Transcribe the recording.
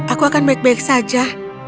aku akan baik baik saja